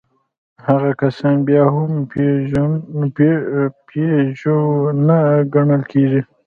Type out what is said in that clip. هغه کسان بيا هم پيژو نه ګڼل کېږي.